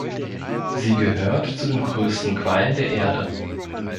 Sie gehört zu den größten Quallen der Erde.